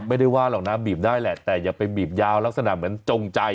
ไม่ได้ว่าหรอกนะบีบได้แหละแต่อย่าไปบีบยาวลักษณะเหมือนจงใจ